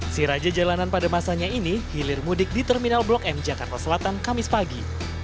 si raja jalanan pada masanya ini hilir mudik di terminal blok m jakarta selatan kamis pagi